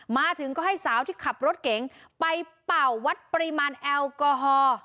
มาถึงก็ให้สาวที่ขับรถเก๋งไปเป่าวัดปริมาณแอลกอฮอล์